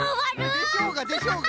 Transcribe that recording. でしょうがでしょうが。